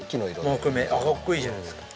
木目かっこいいじゃないですか。